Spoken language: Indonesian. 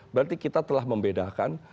berarti kita telah membedakan